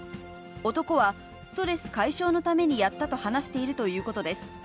男はストレス解消のためにやったと話しているということです。